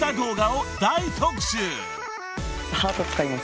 ハート使います。